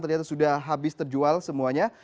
ternyata sudah habis terjual semuanya